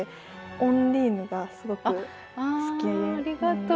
「オンディーヌ」がすごく好きなんですよ。